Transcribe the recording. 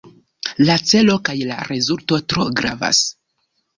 La celo kaj la rezulto tro gravas.